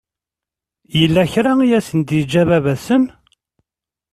Yella kra i asen-d-yeǧǧa baba-tsen?